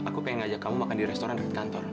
aku pengen ngajak kamu makan di restoran dekat kantor